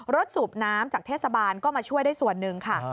สูบน้ำจากเทศบาลก็มาช่วยได้ส่วนหนึ่งค่ะ